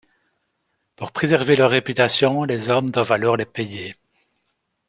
Pour préserver leur réputation les hommes doivent alors les payer.